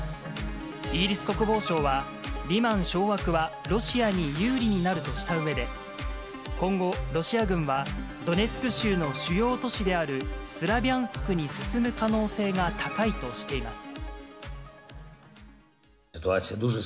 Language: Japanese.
イギリス国防省は、リマン掌握はロシアに有利になるとしたうえで、今後、ロシア軍は、ドネツク州の主要都市であるスラビャンスクに進む可能性が高いとしています。